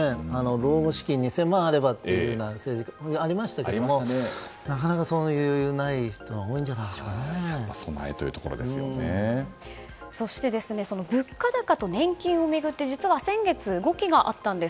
老後資金２０００万円あればという話がありましたけどなかなかない人がそして、物価高と年金を巡って実は先月、動きがあったんです。